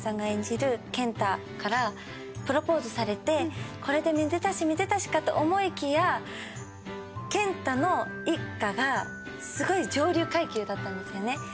演じる健太からプロポーズされてこれでめでたしめでたしかと思いきや健太の一家がすごい上流階級だったんですよね。